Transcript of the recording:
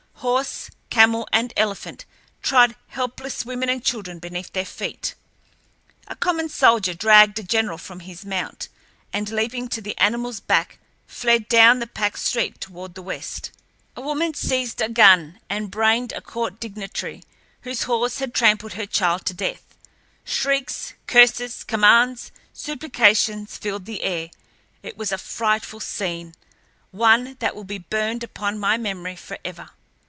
Horse, camel, and elephant trod helpless women and children beneath their feet. A common soldier dragged a general from his mount, and, leaping to the animal's back, fled down the packed street toward the west. A woman seized a gun and brained a court dignitary, whose horse had trampled her child to death. Shrieks, curses, commands, supplications filled the air. It was a frightful scene—one that will be burned upon my memory forever.